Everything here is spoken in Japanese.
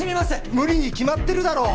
無理に決まってるだろう！